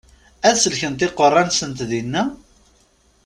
Ad sellkent iqeṛṛa-nsent dinna?